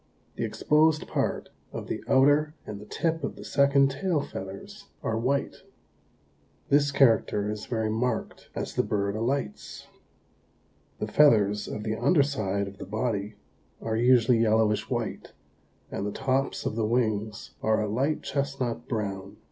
The exposed part of the outer and the tip of the second tail feathers are white. This character is very marked as the bird alights. The feathers of the underside of the body are usually yellowish white and the tops of the wings are a light chestnut brown.